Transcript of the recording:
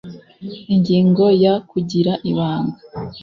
ingingo ya kugira ibanga